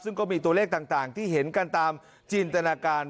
ซึ่งก็มีตัวเลขต่างที่เห็นกันตามจินตนาการ